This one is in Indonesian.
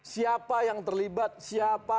siapa yang terlibat siapa